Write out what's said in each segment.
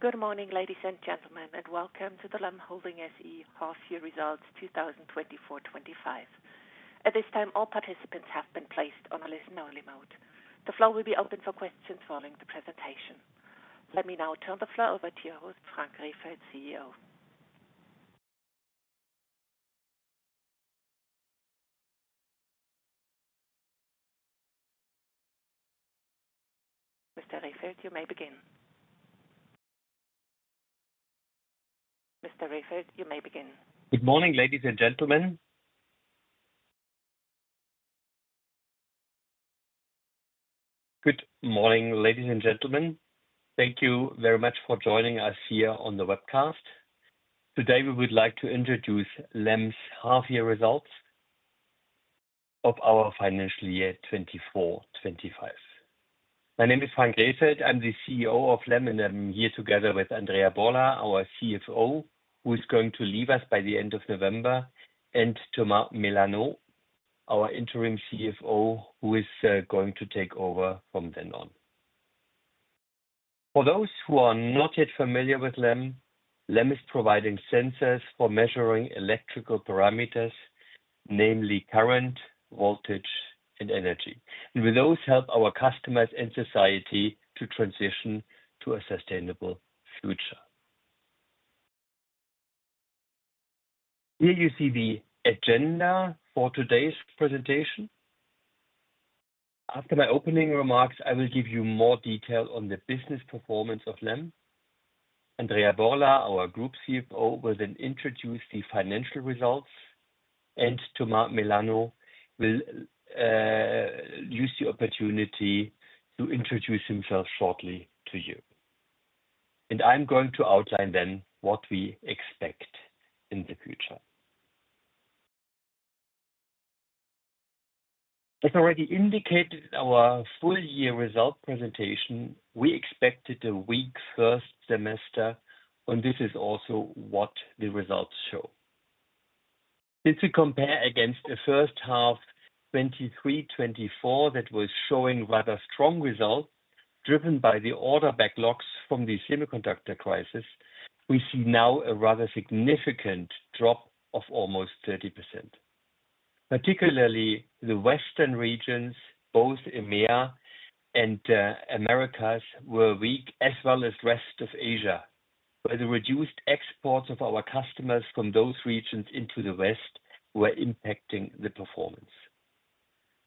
Good morning, ladies and gentlemen, and welcome to the LEM Holding SA Half-Year Results 2024-2025. At this time, all participants have been placed on a listener-only mode. The floor will be open for questions following the presentation. Let me now turn the floor over to your host, Frank Rehfeld, CEO. Mr. Rehfeld, you may begin. Good morning, ladies and gentlemen. Thank you very much for joining us here on the webcast. We would like to introduce LEM's half-year results of our financial year 2024/25. My name is Frank Rehfeld. I'm the CEO of LEM, and I'm here together with Andrea Borla, our CFO, who is going to leave us by the end of November, and Tom Mélaneau, our interim CFO, who is going to take over from then on. For those who are not yet familiar with LEM, LEM is providing sensors for measuring electrical parameters, namely current, voltage, and energy. With those, help our customers and society to transition to a sustainable future. Here you see the agenda for today's presentation. After my opening remarks, I will give you more detail on the business performance of LEM. Andrea Borla, our group CFO, will then introduce the financial results, and Tom Mélaneau will use the opportunity to introduce himself shortly to you. I'm going to outline then what we expect in the future. As already indicated in our full-year result presentation, we expected a weak first semester, and this is also what the results show. Since we compare against the first half 2023/2024, that was showing rather strong results driven by the order backlogs from the semiconductor crisis, we see now a rather significant drop of almost 30%. Particularly, the Western regions, both EMEA and Americas, were weak, as well as the rest of Asia, where the reduced exports of our customers from those regions into the West were impacting the performance.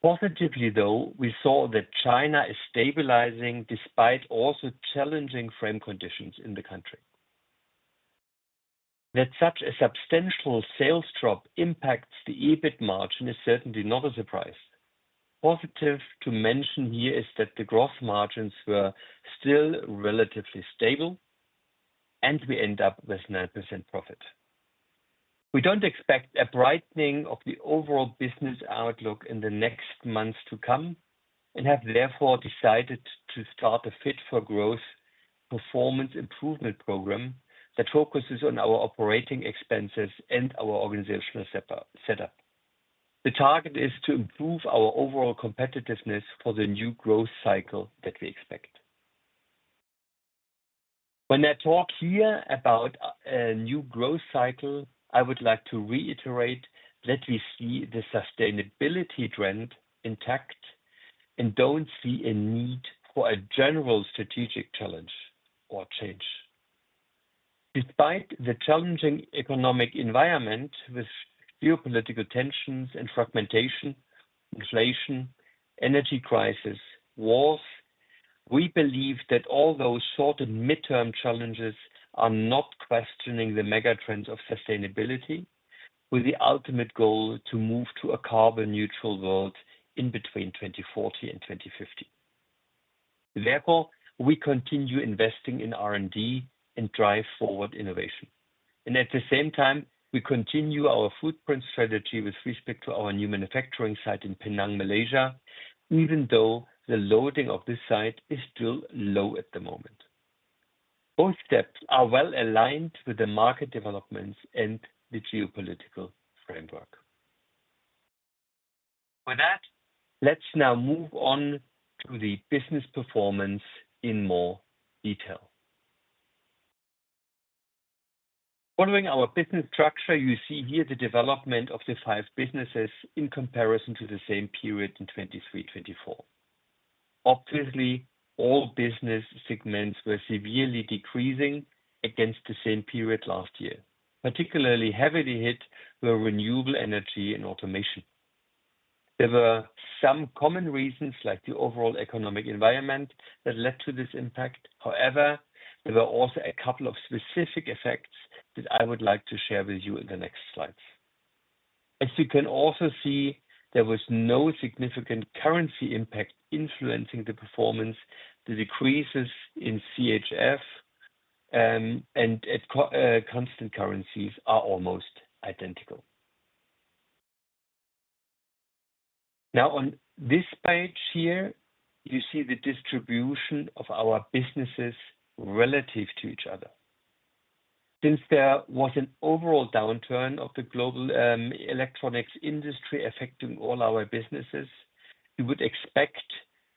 Positively, we saw that China is stabilizing despite also challenging frame conditions in the country. That such a substantial sales drop impacts the EBIT margin is certainly not a surprise. Positive to mention here is that the gross margins were still relatively stable, and we end up with 9% profit. We don't expect a brightening of the overall business outlook in the next months to come and have therefore decided to start a Fit for Growth performance improvement program that focuses on our operating expenses and our organizational setup. The target is to improve our overall competitiveness for the new growth cycle that we expect. When I talk here about a new growth cycle, I would like to reiterate that we see the sustainability trend intact and don't see a need for a general strategic challenge or change. Despite the challenging economic environment with geopolitical tensions and fragmentation, inflation, energy crisis, wars, we believe that all those sort of midterm challenges are not questioning the megatrends of sustainability with the ultimate goal to move to a carbon-neutral world in between 2040 and 2050. Therefore, we continue investing in R&D and drive forward innovation and at the same time, we continue our footprint strategy with respect to our new manufacturing site in Penang, Malaysia, even though the loading of this site is still low at the moment. Both steps are well aligned with the market developments and the geopolitical framework. With that, let's now move on to the business performance in more detail. Following our business structure, you see here the development of the five businesses in comparison to the same period in 2023-2024. Obviously, all business segments were severely decreasing against the same period last year. Particularly heavily hit were renewable energy and automation. There were some common reasons, like the overall economic environment, that led to this impact. However, there were also a couple of specific effects that I would like to share with you in the next slides. As you can also see, there was no significant currency impact influencing the performance. The decreases in CHF and constant currencies are almost identical. Now, on this page here, you see the distribution of our businesses relative to each other. Since there was an overall downturn of the global electronics industry affecting all our businesses, you would expect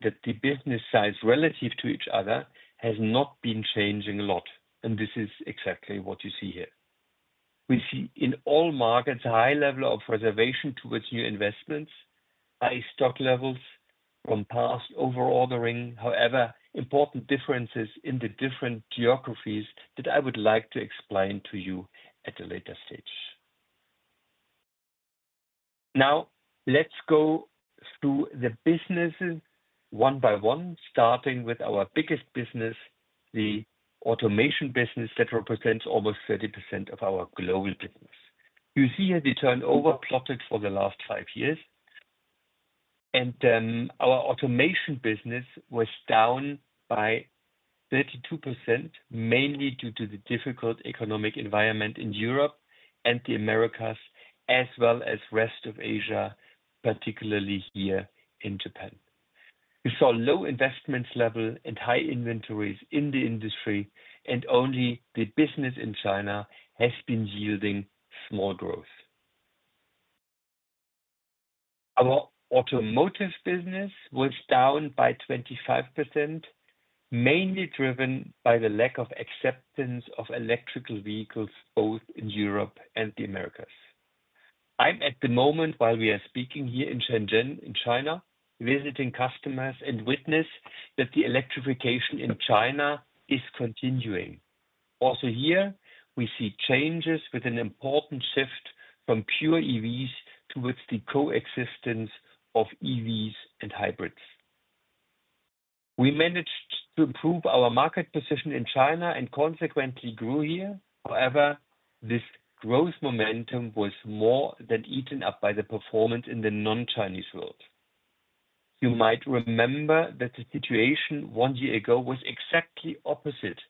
that the business size relative to each other has not been changing a lot, and this is exactly what you see here. We see in all markets a high level of reservation towards new investments, high stock levels from past overordering. However, important differences in the different geographies that I would like to explain to you at a later stage. Now, let's go through the businesses one by one, starting with our biggest business, the automation business, that represents almost 30% of our global business. You see here the turnover plotted for the last five years. Our automation business was down by 32%, mainly due to the difficult economic environment in Europe and the Americas, as well as the rest of Asia, particularly here in Japan. We saw low investment levels and high inventories in the industry, and only the business in China has been yielding small growth. Our automotive business was down by 25%, mainly driven by the lack of acceptance of electric vehicles both in Europe and the Americas. I'm at the moment, while we are speaking here in Shenzhen, in China, visiting customers and witnessing that the electrification in China is continuing. Also here, we see changes with an important shift from pure EVs towards the coexistence of EVs and hybrids. We managed to improve our market position in China and consequently grew here. However, this growth momentum was more than eaten up by the performance in the non-Chinese world. You might remember that the situation one year ago was exactly opposite.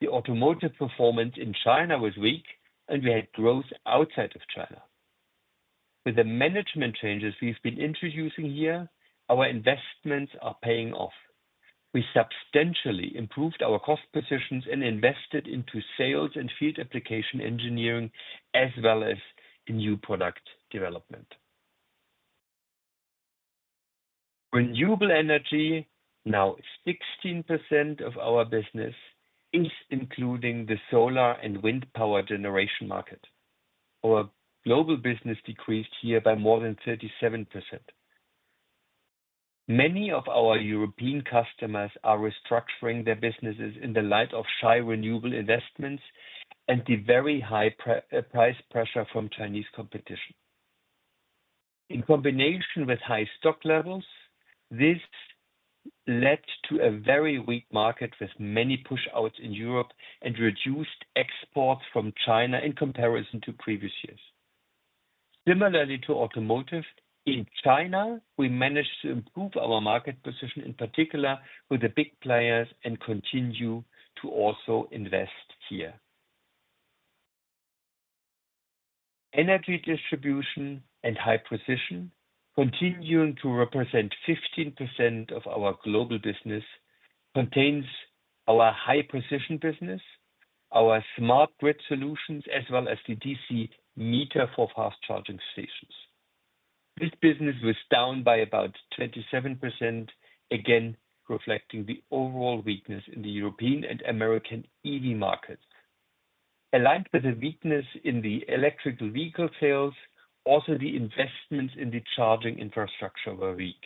The automotive performance in China was weak, and we had growth outside of China. With the management changes we've been introducing here, our investments are paying off. We substantially improved our cost positions and invested into sales and field application engineering, as well as new product development. Renewable energy, now 16% of our business, is including the solar and wind power generation market. Our global business decreased here by more than 37%. Many of our European customers are restructuring their businesses in the light of high renewable investments and the very high price pressure from Chinese competition. In combination with high stock levels, this led to a very weak market with many push-outs in Europe and reduced exports from China in comparison to previous years. Similarly to automotive, in China, we managed to improve our market position, in particular with the big players, and continue to also invest here. Energy distribution and high precision, continuing to represent 15% of our global business, contains our high precision business, our smart grid solutions, as well as the DC meter for fast charging stations. This business was down by about 27%, again reflecting the overall weakness in the European and American EV markets. Aligned with the weakness in the electric vehicle sales, also the investments in the charging infrastructure were weak.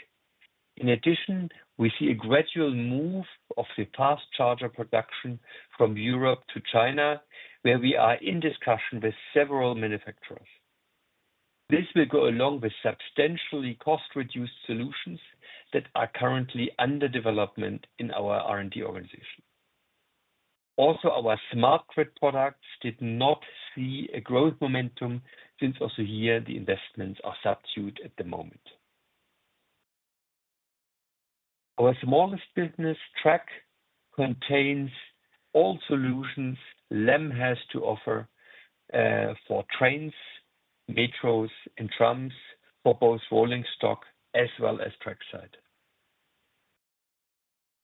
In addition, we see a gradual move of the fast charger production from Europe to China, where we are in discussion with several manufacturers. This will go along with substantially cost-reduced solutions that are currently under development in our R&D organization. Also, our smart grid products did not see a growth momentum since also here the investments are subdued at the moment. Our smallest business, Track, contains all solutions LEM has to offer for trains, metros, and trams for both rolling stock as well as trackside.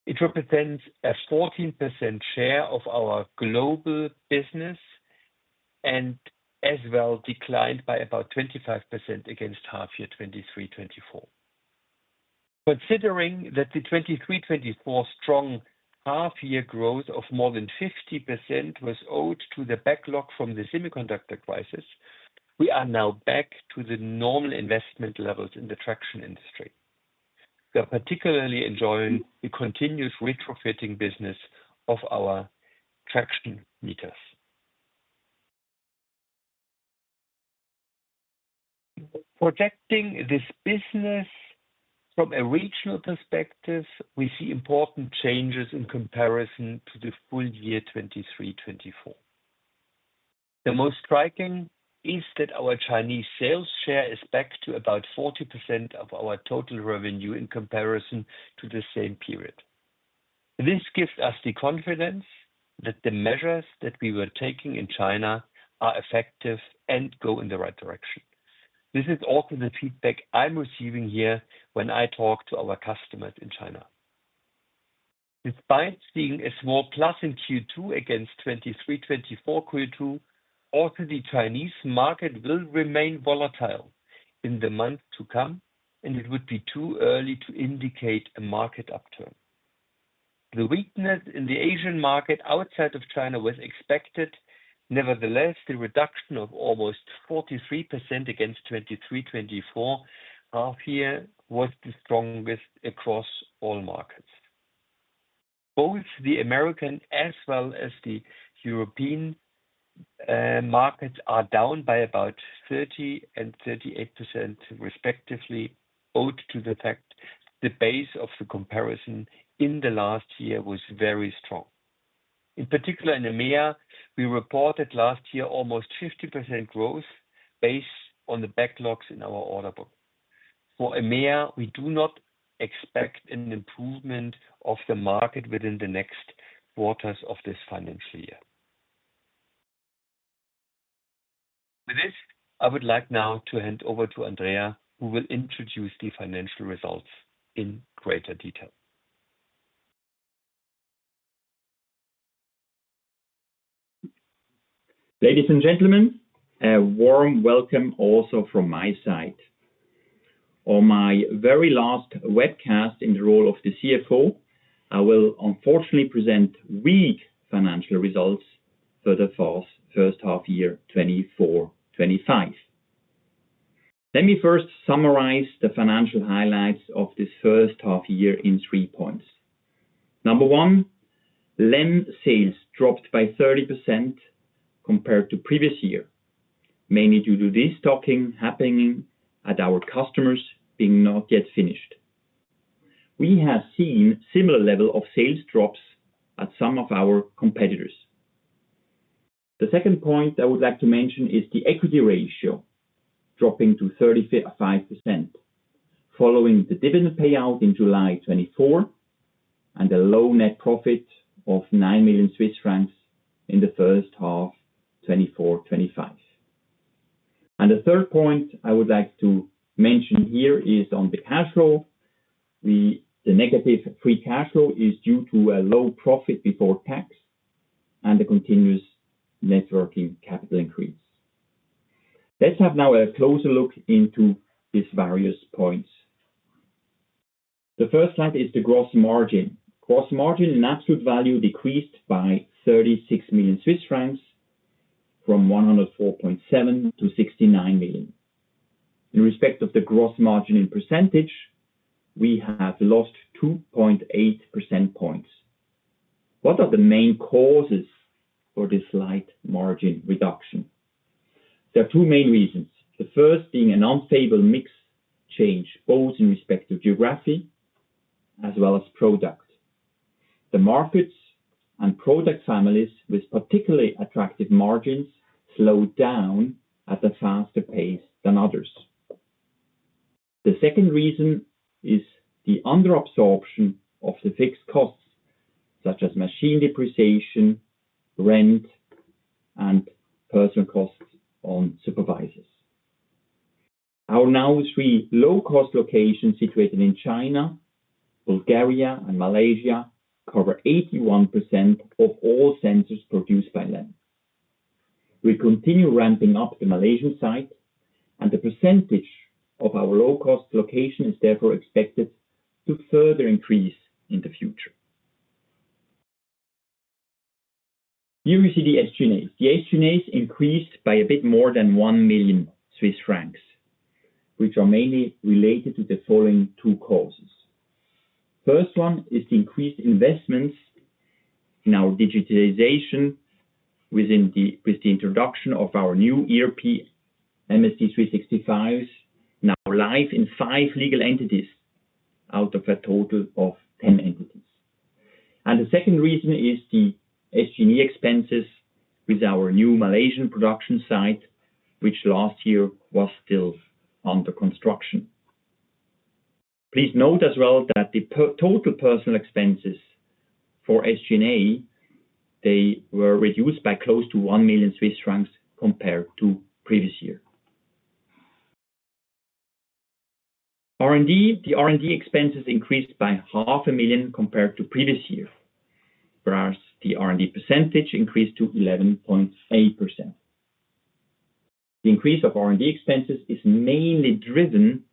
It represents a 14% share of our global business and as well declined by about 25% against half-year 2023/2024. Considering that the 2023-2024 strong half-year growth of more than 50% was owed to the backlog from the semiconductor crisis, we are now back to the normal investment levels in the traction industry. We are particularly enjoying the continuous retrofitting business of our traction meters. Projecting this business from a regional perspective, we see important changes in comparison to the full year 2023/2024. The most striking is that our Chinese sales share is back to about 40% of our total revenue in comparison to the same period. This gives us the confidence that the measures that we were taking in China are effective and go in the right direction. This is also the feedback I'm receiving here when I talk to our customers in China. Despite seeing a small plus in Q2 against 2023/2024 Q2, also the Chinese market will remain volatile in the month to come, and it would be too early to indicate a market upturn. The weakness in the Asian market outside of China was expected. Nevertheless, the reduction of almost 43% against 2023/2024 half-year was the strongest across all markets. Both the American as well as the European markets are down by about 30% and 38% respectively due to the fact the base of the comparison in the last year was very strong. In particular, in EMEA, we reported last year almost 50% growth based on the backlogs in our order book. For EMEA, we do not expect an improvement of the market within the next quarters of this financial year. With this, I would like now to hand over to Andrea, who will introduce the financial results in greater detail. Ladies and gentlemen, a warm welcome also from my side. On my very last webcast in the role of the CFO, I will unfortunately present weak financial results for the first half year 2024/2025. Let me first summarize the financial highlights of this first half year in three points. Number one, LEM sales dropped by 30% compared to previous year, mainly due to this destocking happening at our customers being not yet finished. We have seen a similar level of sales drops at some of our competitors. The second point I would like to mention is the equity ratio dropping to 35% following the dividend payout in July 2024 and a low net profit of 9 million Swiss francs in the first half 2024/2025. And the third point I would like to mention here is on the cash flow. The negative free cash flow is due to a low profit before tax and the continuous net working capital increase. Let's have now a closer look into these various points. The first slide is the gross margin. Gross margin in absolute value decreased by 36 million Swiss francs from 104.7 million to 69 million. In respect of the gross margin in percentage, we have lost 2.8 percentage points. What are the main causes for this slight margin reduction? There are two main reasons. The first being an unfavorable mix change both in respect to geography as well as product. The markets and product families with particularly attractive margins slowed down at a faster pace than others. The second reason is the under absorption of the fixed costs, such as machine depreciation, rent, and personnel costs on supervisors. We now have three low-cost locations situated in China, Bulgaria, and Malaysia cover 81% of all sensors produced by LEM. We continue ramping up the Malaysian site, and the percentage of our low-cost locations is therefore expected to further increase in the future. Here you see the SG&As. The SG&As increased by a bit more than 1 million Swiss francs, which are mainly related to the following two causes. The first one is the increased investments in our digitalization with the introduction of our new ERP MSD365 now live in five legal entities out of a total of 10 entities. The second reason is the SG&A expenses with our new Malaysian production site, which last year was still under construction. Please note as well that the total personnel expenses for SG&A, they were reduced by close to 1 million Swiss francs compared to previous year. R&D, the R&D expenses increased by 500,000 compared to previous year, whereas the R&D percentage increased to 11.8%. The increase of R&D expenses is mainly driven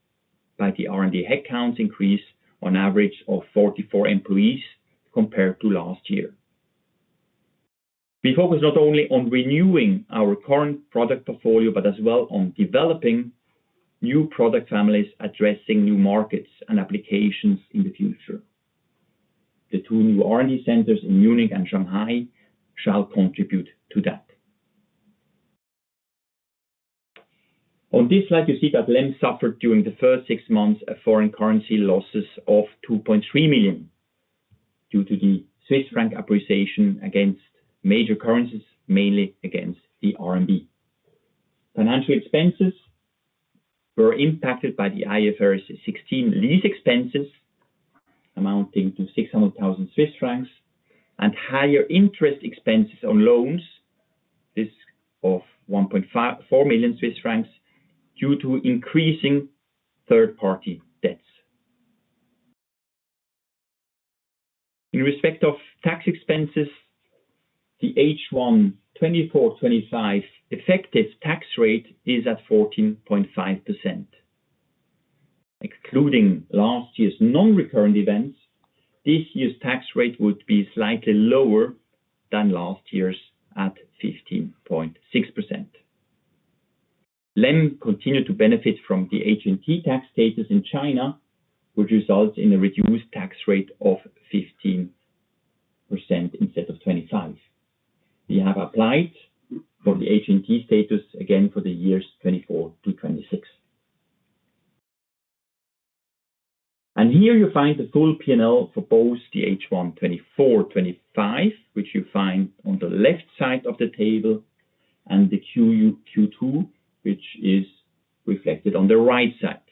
by the R&D headcount increase on average of 44 employees compared to last year. We focus not only on renewing our current product portfolio, but as well on developing new product families addressing new markets and applications in the future. The two new R&D centers in Munich and Shanghai shall contribute to that. On this slide, you see that LEM suffered during the first six months a foreign currency losses of 2.3 million due to the Swiss franc appreciation against major currencies, mainly against the RMB. Financial expenses were impacted by the IFRS 16 lease expenses amounting to 600,000 Swiss francs and higher interest expenses on loans, this of 1.4 million Swiss francs due to increasing third-party debts. In respect of tax expenses, the H1 year 2024/2025 effective tax rate is at 14.5%. Excluding last year's non-recurrent events, this year's tax rate would be slightly lower than last year's at 15.6%. LEM continued to benefit from the H&T tax status in China, which results in a reduced tax rate of 15% instead of 25%. We have applied for the HNTE status again for the years 2024 to 2026. Here you find the full P&L for both the first half year 202/2025, which you find on the left side of the table, and the Q2, which is reflected on the right side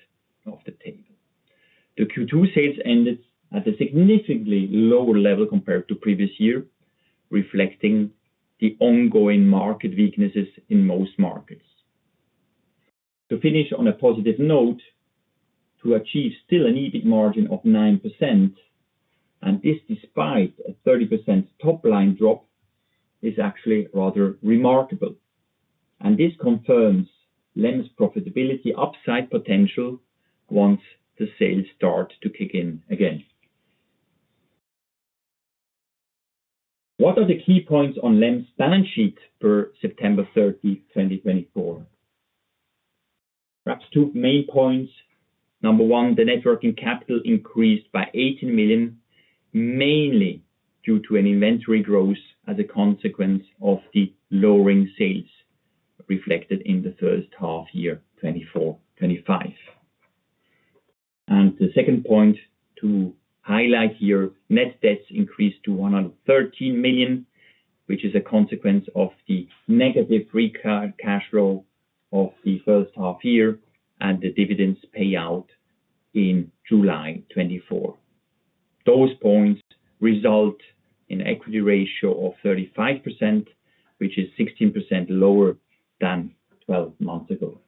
of the table. The Q2 sales ended at a significantly lower level compared to previous year, reflecting the ongoing market weaknesses in most markets. To finish on a positive note, to achieve still an EBIT margin of 9%, and this despite a 30% top-line drop, is actually rather remarkable. This confirms LEM's profitability upside potential once the sales start to kick in again. What are the key points on LEM's balance sheet per 30 September 2024? Perhaps two main points. Number one, the net working capital increased by 18 million, mainly due to an inventory growth as a consequence of the lower sales reflected in the first half year 2024/2025. The second point to highlight here, net debt increased to 113 million, which is a consequence of the negative free cash flow of the first half year and the dividend payout in July 2024. Those points result in an equity ratio of 35%, which is 16% lower than 12 months ago.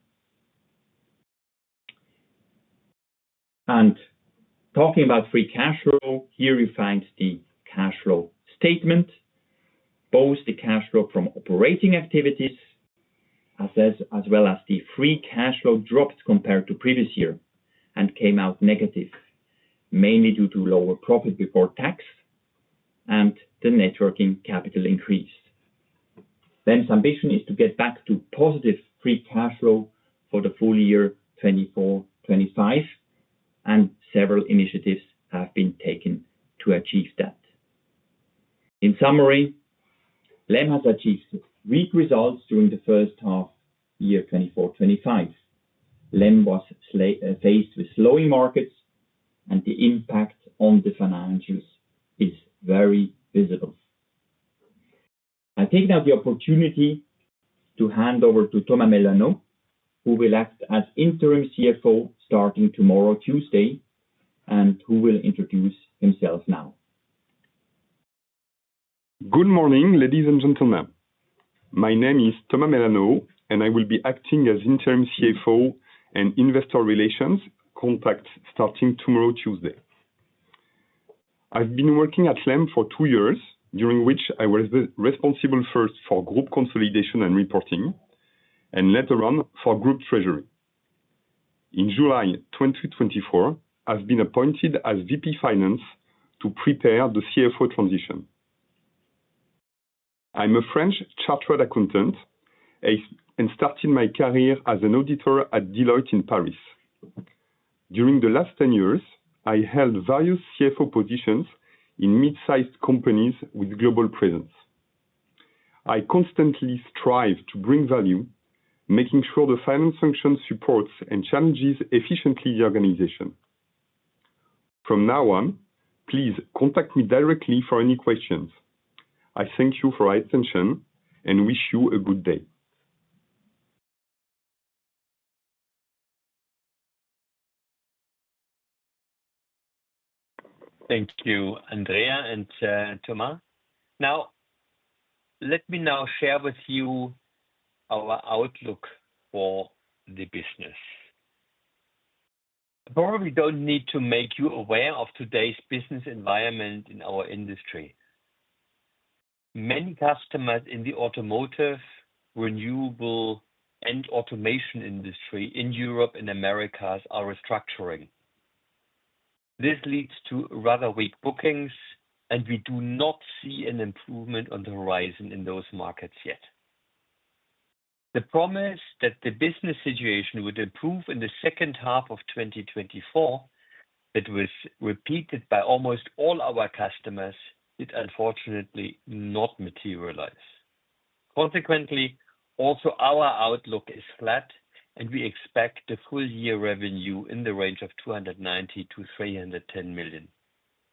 Talking about free cash flow, here you find the cash flow statement. Both the cash flow from operating activities as well as the free cash flow dropped compared to previous year and came out negative, mainly due to lower profit before tax and the net working capital increase. LEM's ambition is to get back to positive free cash flow for the full year 2024/2025, and several initiatives have been taken to achieve that. In summary, LEM has achieved weak results during the first half year 2024/2025. LEM was faced with slowing markets, and the impact on the financials is very visible. I'm taking now the opportunity to hand over to Thomas Mélaneau, who will act as Interim CFO starting tomorrow, Tuesday, and who will introduce himself now. Good morning, ladies and gentlemen. My name is Thomas Mélaneau, and I will be acting as Interim CFO and investor relations contact starting tomorrow, Tuesday. I've been working at LEM for two years, during which I was responsible first for group consolidation and reporting, and later on for group treasury. In July 2024, I've been appointed as VP Finance to prepare the CFO transition. I'm a French chartered accountant and started my career as an auditor at Deloitte in Paris. During the last 10 years, I held various CFO positions in mid-sized companies with global presence. I constantly strive to bring value, making sure the finance function supports and challenges efficiently the organization. From now on, please contact me directly for any questions. I thank you for your attention and wish you a good day. Thank you, Andrea and Thomas. Now, let me now share with you our outlook for the business. I probably don't need to make you aware of today's business environment in our industry. Many customers in the automotive, renewable, and automation industry in Europe and Americas are restructuring. This leads to rather weak bookings, and we do not see an improvement on the horizon in those markets yet. The promise that the business situation would improve in the second half of 2024, that was repeated by almost all our customers, did unfortunately not materialize. Consequently, also our outlook is flat, and we expect the full-year revenue in the range of 290 million to 310 million,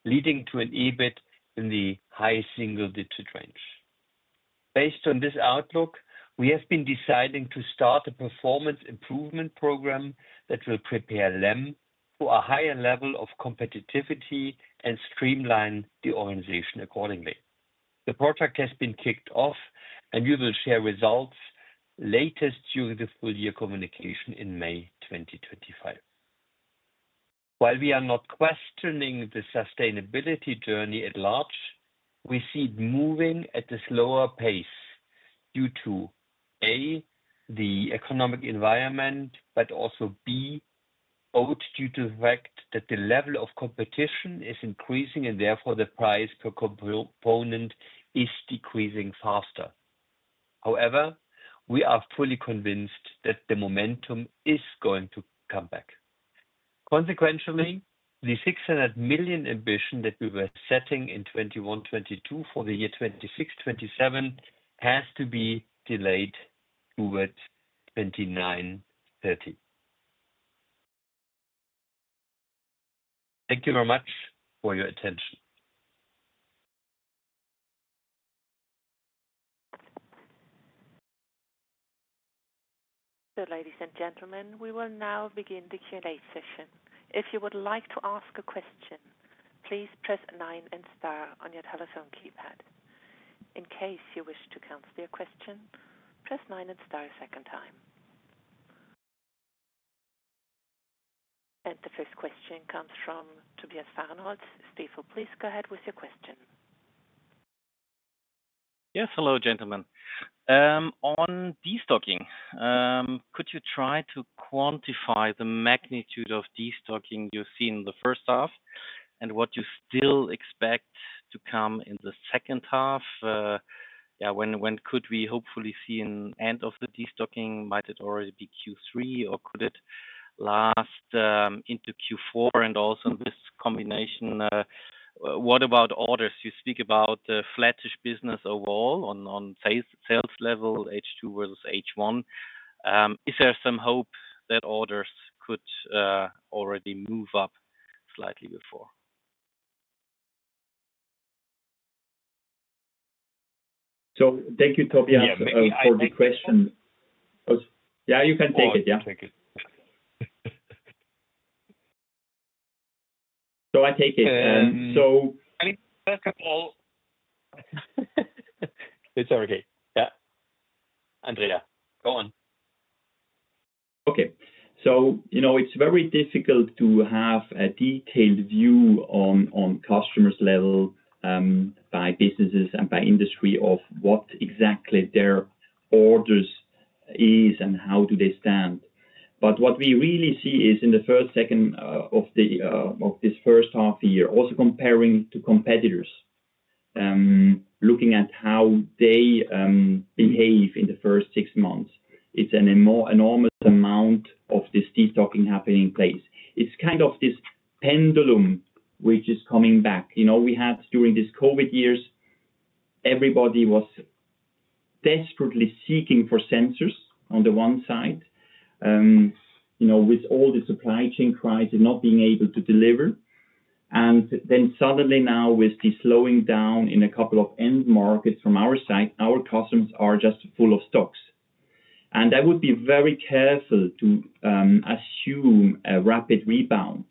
leading to an EBIT in the high single-digit range. Based on this outlook, we have decided to start a performance improvement program that will prepare LEM for a higher level of competitiveness and streamline the organization accordingly. The project has been kicked off, and we will share results latest during the full-year communication in May 2025. While we are not questioning the sustainability journey at large, we see it moving at a slower pace due to, A, the economic environment, but also, B, both due to the fact that the level of competition is increasing and therefore the price per component is decreasing faster. However, we are fully convinced that the momentum is going to come back. Consequently, the 600 million ambition that we were setting in 2021/2022 for the year 2026/2027 has to be delayed towards 2029/2030. Thank you very much for your attention. Ladies and gentlemen, we will now begin the Q&A session. If you would like to ask a question, please press nine and star on your telephone keypad. In case you wish to cancel your question, press nine and star a second time. The first question comes from Tobias Fahrenholz, Stifel. Please go ahead with your question. Yes, hello, gentlemen. On destocking, could you try to quantify the magnitude of destocking you've seen in the first half and what you still expect to come in the second half? Yeah, when could we hopefully see an end of the destocking? Might it already be Q3, or could it last into Q4 and also this combination? What about orders? You speak about flat-ish business overall on sales level, H2 versus first half year. Is there some hope that orders could already move up slightly before? Thank you, Tobias, for the question. Yeah, you can take it. I take it. first of all, it's okay. Andrea, go on. Okay. You know, it's very difficult to have a detailed view on customers' level by businesses and by industry of what exactly their orders is and how do they stand. But what we really see is in the first and second of this first half year, also comparing to competitors, looking at how they behave in the first six months. It's an enormous amount of this destocking taking place. It's kind of this pendulum which is coming back. You know, we had during these COVID years, everybody was desperately seeking for sensors on the one side, you know, with all the supply chain crisis, not being able to deliver. Suddenly now with the slowing down in a couple of end markets from our side, our customers are just full of stock. I would be very careful to assume a rapid rebound.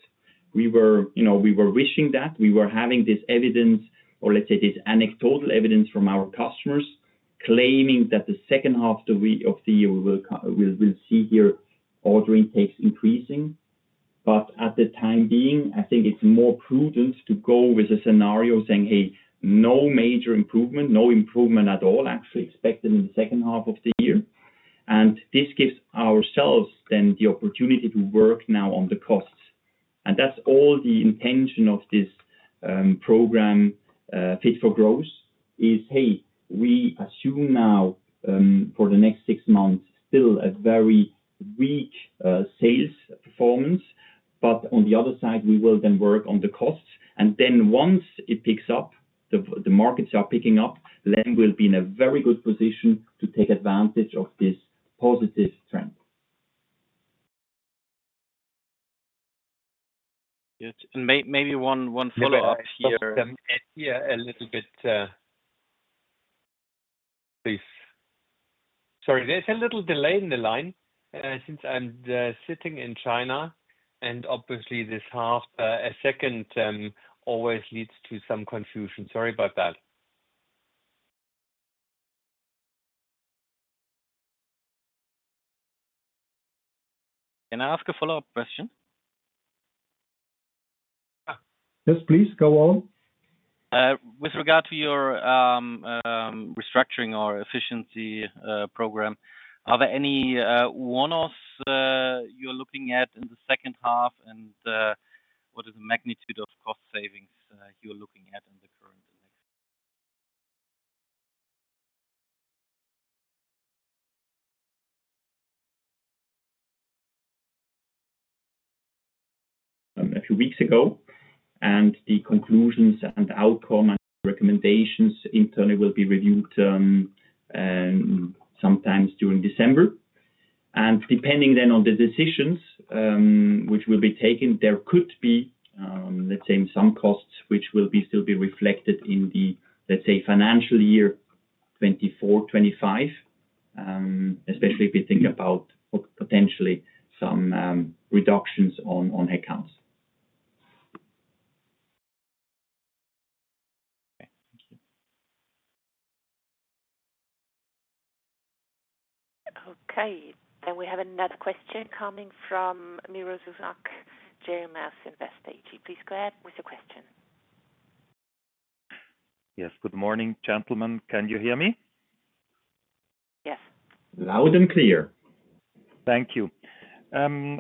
We were wishing that we were having this evidence, or let's say this anecdotal evidence from our customers claiming that the second half of the year we will see order intake increasing. At the time being, I think it's more prudent to go with a scenario saying, hey, no major improvement, no improvement at all actually expected in the second half of the year. This gives ourselves then the opportunity to work now on the costs. That's all the intention of this program, Fit for Growth, is, hey, we assume now for the next six months still a very weak sales performance, but on the other side, we will then work on the costs. Once it picks up, the markets are picking up, LEM will be in a very good position to take advantage of this positive trend. Yes, and maybe one follow-up here. Yeah, a little bit. Please. Sorry, there's a little delay in the line since I'm sitting in China, and obviously this half a second always leads to some confusion. Sorry about that. Can I ask a follow-up question? Yes, please, go on. With regard to your restructuring or efficiency program, are there any one-offs you're looking at in the second half, and what is the magnitude of cost savings you're looking at in the current and next? A few weeks ago, and the conclusions and outcome and recommendations internally will be reviewed sometimes during December. Depending then on the decisions which will be taken, there could be, let's say, some costs which will still be reflected in the, let's say, financial year 2024/2025, especially if you think about potentially some reductions on headcounts. Okay. Thank you. Okay. And we have another question coming from Miroslav Zuzak, JMS Invest. Please go ahead with your question. Yes. Good morning, gentlemen. Can you hear me? Yes. Loud and clear. Thank you. I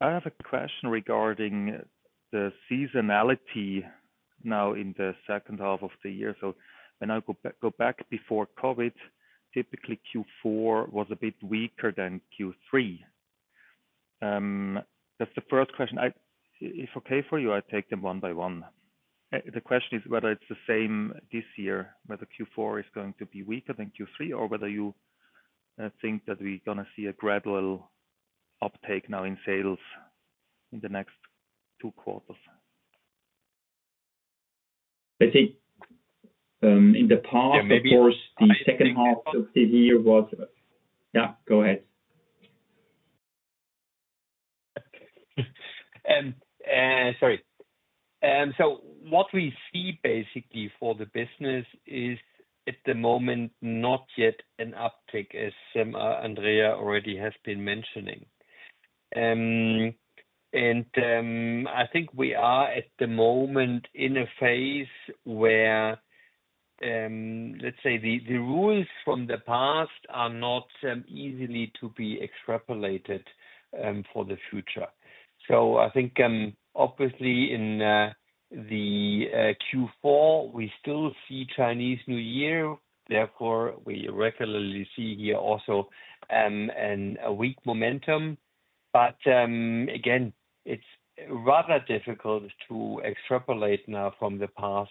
have a question regarding the seasonality now in the second half of the year. When I go back before COVID, typically Q4 was a bit weaker than Q3. That's the first question. If okay for you, I take them one by one. The question is whether it's the same this year, whether Q4 is going to be weaker than Q3, or whether you think that we're going to see a gradual uptake now in sales in the next two quarters. I think in the past, of course, the second half of the year was. Go ahead. Sorry. What we see basically for the business is at the moment not yet an uptick, as Andrea already has been mentioning. I think we are at the moment in a phase where, let's say, the rules from the past are not easily to be extrapolated for the future. I think obviously in the Q4, we still see Chinese New Year. Therefore, we regularly see here also a weak momentum. But again, it's rather difficult to extrapolate now from the past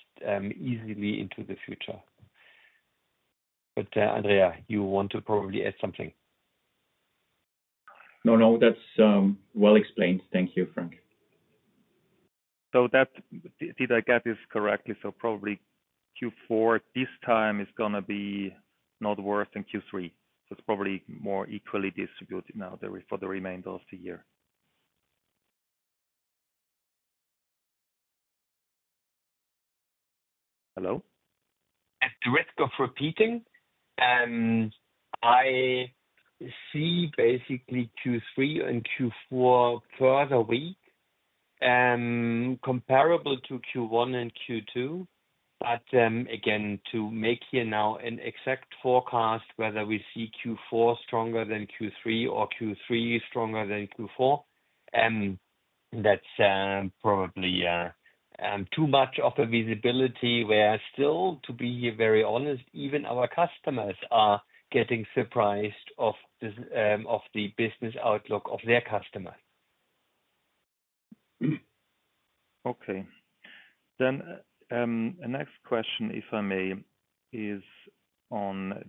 easily into the future. But Andrea, you want to probably add something. No, no, that's well explained. Thank you, Frank. Did I get this correctly? So probably Q4 this time is going to be not worse than Q3. It's probably more equally distributed now for the remainder of the year. Hello? At the risk of repeating, I see basically Q3 and Q4 further weak, comparable to Q1 and Q2. Again, to make here now an exact forecast, whether we see Q4 stronger than Q3 or Q3 stronger than Q4, that's probably too much of a visibility where still, to be very honest, even our customers are getting surprised of the business outlook of their customers. Okay. The next question, if I may, is on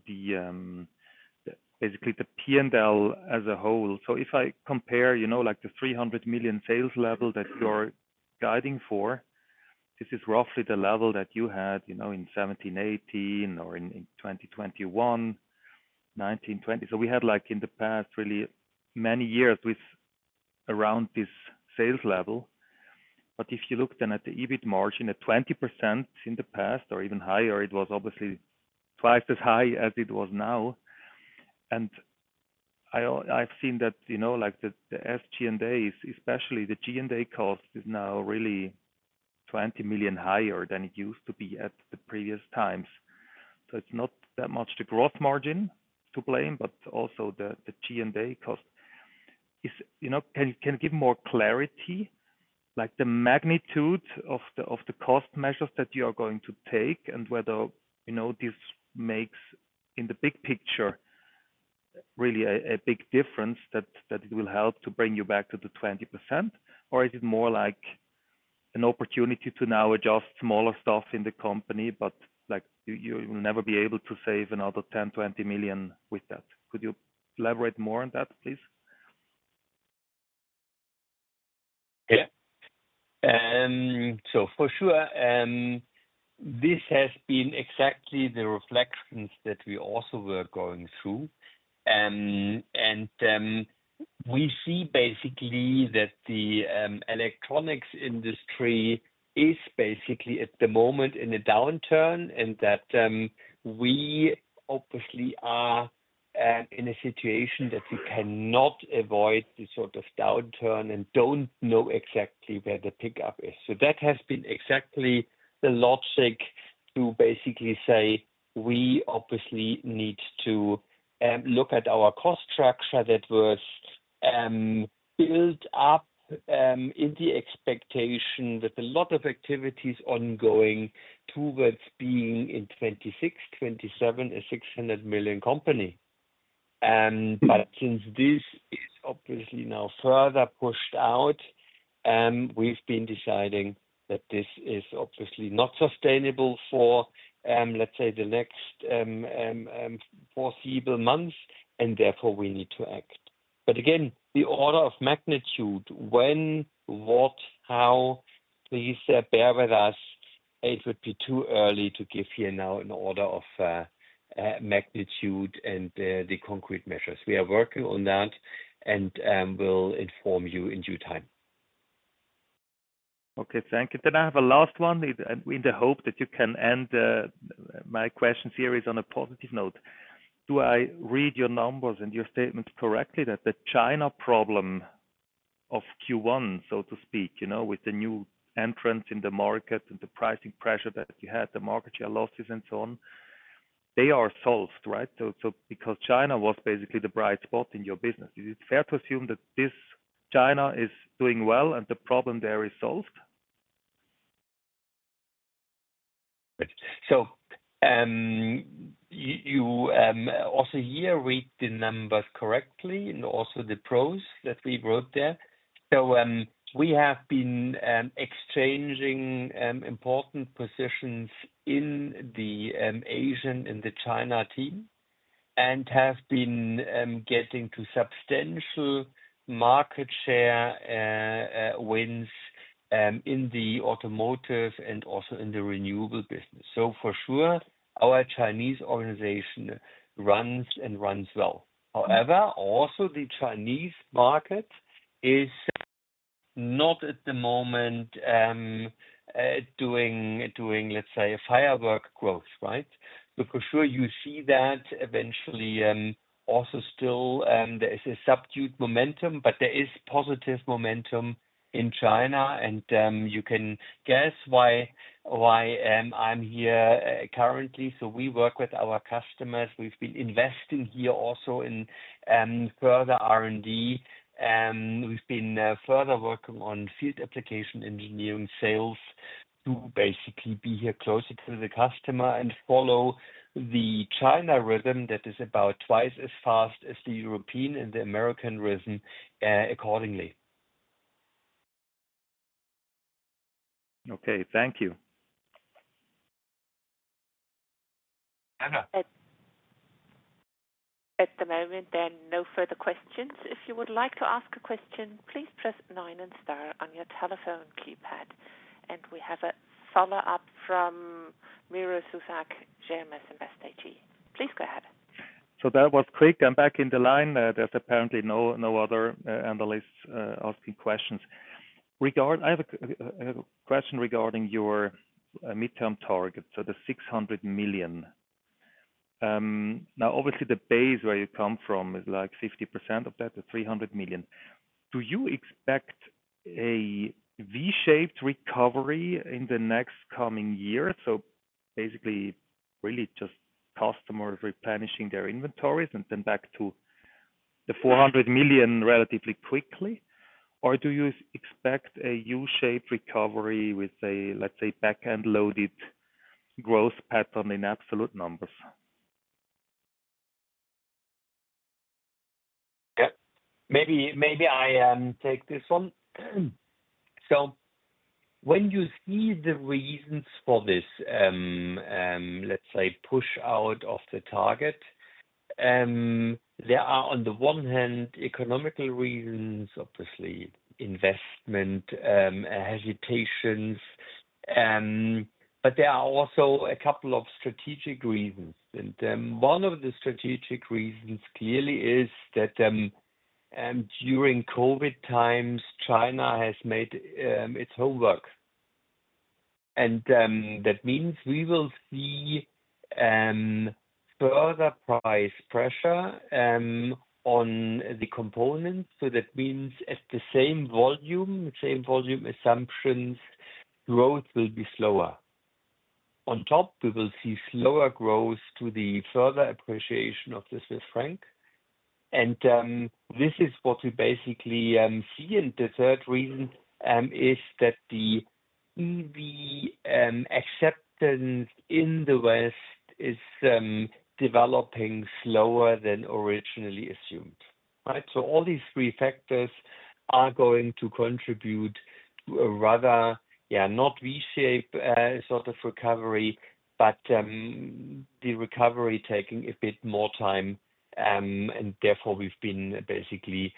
basically the P&L as a whole. If I compare the 300 million sales level that you're guiding for, this is roughly the level that you had in 2017/2018 or in 2021, 2019/2020. We had in the past really many years with around this sales level. If you look then at the EBIT margin, at 20% in the past or even higher, it was obviously twice as high as it was now. I’ve seen that the SG&A, especially the G&A cost, is now really 20 million higher than it used to be at the previous times. It’s not that much the gross margin to blame, but also the G&A cost. Can you give more clarity on the magnitude of the cost measures that you are going to take and whether this makes, in the big picture, really a big difference that it will help to bring you back to the 20%? Or is it more like an opportunity to now adjust smaller stuff in the company, but you will never be able to 10 million to 20 million with that? Could you elaborate more on that, please? For sure, this has been exactly the reflections that we also were going through. We see basically that the electronics industry is basically at the moment in a downturn and that we obviously are in a situation that we cannot avoid this sort of downturn and don't know exactly where the pickup is. That has been exactly the logic to basically say we obviously need to look at our cost structure that was built up in the expectation that a lot of activities ongoing towards being in 2026, 2027, a 600 million company. Since this is obviously now further pushed out, we've been deciding that this is obviously not sustainable for, let's say, the next foreseeable months, and therefore we need to act. Again, the order of magnitude, when, what, how, please bear with us. It would be too early to give here now an order of magnitude and the concrete measures. We are working on that and will inform you in due time. Okay. Thank you. Then I have a last one in the hope that you can end my question series on a positive note. Do I read your numbers and your statements correctly that the China problem of Q1, so to speak, with the new entrants in the market and the pricing pressure that you had, the market share losses and so on, they are solved, right? Because China was basically the bright spot in your business, is it fair to assume that this China is doing well and the problem there is solved? You also here read the numbers correctly and also the pros that we wrote there. We have been exchanging important positions in the Asian and the China team and have been getting to substantial market share wins in the automotive and also in the renewable business. For sure, our Chinese organization runs and runs well. However, also the Chinese market is not at the moment doing, let's say, a firework growth, right? For sure, you see that eventually also still there is a subdued momentum, but there is positive momentum in China. You can guess why I'm here currently. We work with our customers. We've been investing here also in further R&D. We've been further working on field application engineering sales to basically be here closer to the customer and follow the China rhythm that is about twice as fast as the European and the American rhythm accordingly. Okay. Thank you. At the moment, then no further questions. If you would like to ask a question, please press nine and star on your telephone keypad. We have a follow-up from Miroslav Zuzak, JMS Invest. Please go ahead. That was quick. I'm back in the line. There's apparently no other analysts asking questions. I have a question regarding your midterm target, so the 600 million. The base where you come from is like 50% of that, the 300 million. Do you expect a V-shaped recovery in the next coming year? Basically, really just customers replenishing their inventories and then back to the 400 million relatively quickly? Or do you expect a U-shaped recovery with a, let's say, back-end loaded growth pattern in absolute numbers? Maybe I take this one. When you see the reasons for this, let's say, push out of the target, there are, on the one hand, economical reasons, obviously, investment hesitations, but there are also a couple of strategic reasons. One of the strategic reasons clearly is that during COVID times, China has made its homework. And that means we will see further price pressure on the components. That means at the same volume, same volume assumptions, growth will be slower. On top, we will see slower growth to the further appreciation of the RMB with Frank. This is what we basically see. The third reason is that the EV acceptance in the West is developing slower than originally assumed, right? All these three factors are going to contribute to a rather, yeah, not V-shape sort of recovery, but the recovery taking a bit more time. Therefore, we've been basically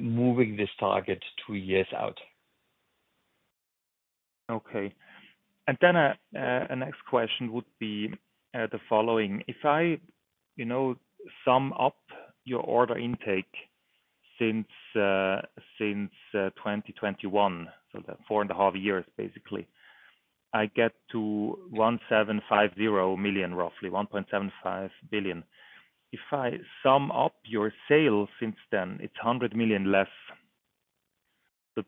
moving this target two years out. Okay. A next question would be the following. If I sum up your order intake since 2021, so four and a half years basically, I get to 1,750 million, roughly 1.75 billion. If I sum up your sales since then, it's 100 million less.